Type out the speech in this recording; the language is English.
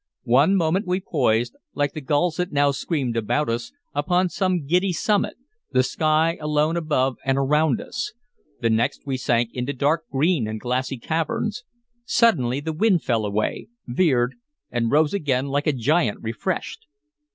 One moment we poised, like the gulls that now screamed about us, upon some giddy summit, the sky alone above and around us; the next we sank into dark green and glassy caverns. Suddenly the wind fell away, veered, and rose again like a giant refreshed.